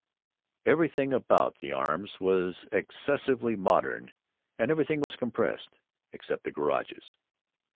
Everything about the Arms was excessively modern, and everything was compressed except the garages.